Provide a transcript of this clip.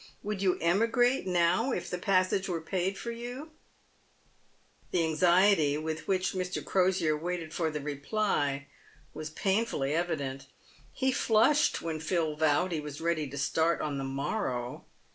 Would you emigrate, now, if the passage were paid for you ?" The anxiety with which Mr. Crosier waited for the reply was pain fully evident. He flushed when Phil vowed he was ready to start on the morrow.